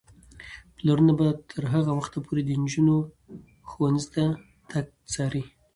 پلرونه به تر هغه وخته پورې د نجونو ښوونځي ته تګ څاري.